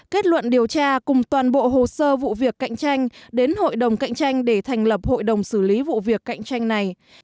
kết luận điều tra cùng toàn bộ hồ sơ vụ việc cạnh tranh đến hội đồng cạnh tranh để thành lập hội đồng xử lý vụ việc cạnh tranh này